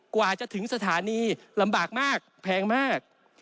กว่าจะถึงสถานีลำบากมากแพงมาก